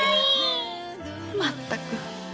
まったく。